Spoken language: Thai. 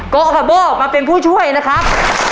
โกอาคาโบมาเป็นผู้ช่วยนะครับ